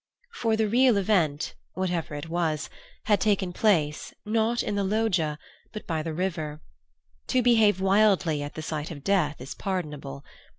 For the real event—whatever it was—had taken place, not in the Loggia, but by the river. To behave wildly at the sight of death is pardonable.